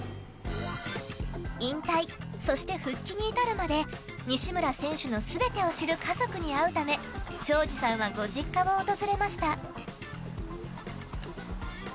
引退、そして復帰に至るまで西村選手の全てを知る家族に会うため庄司さんはご実家を訪れました。